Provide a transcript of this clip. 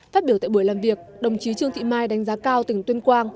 phát biểu tại buổi làm việc đồng chí trương thị mai đánh giá cao tỉnh tuyên quang